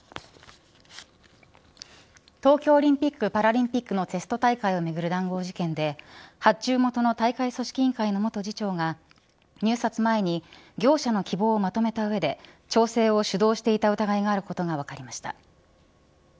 東京オリンピック・パラリンピックのテスト大会をめぐる談合事件で発注元の大会組織委員会の元次長が入札前に業者の希望をまとめた上で調整を主導していた疑いがあることが分かりました。